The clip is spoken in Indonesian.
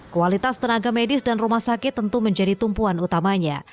kualitas tenaga medis dan rumah sakit tentu menjadi tumpuan utamanya